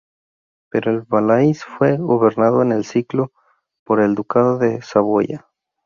Pero el Valais fue gobernado en el siglo por el Ducado de Saboya.